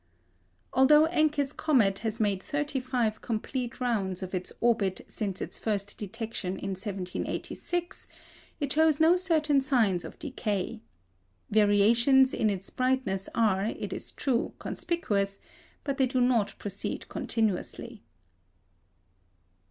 Although Encke's comet has made thirty five complete rounds of its orbit since its first detection in 1786, it shows no certain signs of decay. Variations in its brightness are, it is true, conspicuous, but they do not proceed continuously.